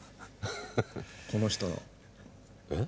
この人の。えっ？